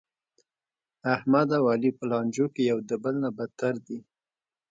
احمد او علي په لانجو کې یو د بل نه بتر دي.